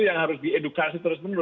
yang harus diedukasi terus benar benar